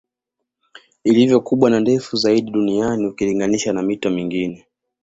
Iliyo kubwa na ndefu zaidi duniani ukilinganisha na mito mingine